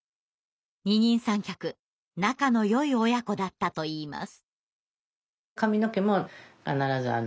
二人三脚仲のよい親子だったといいます。